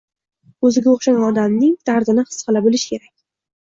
O'ziga o'xshagan odamning dardini his qila bilish kerak